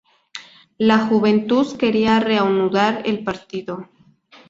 La Juventus quería reanudar el partido.